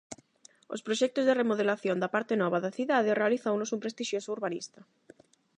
Os proxectos de remodelación da parte nova da cidade realizounos un prestixioso urbanista.